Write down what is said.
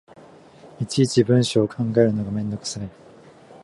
いちいち文章を考えるのがめんどくさい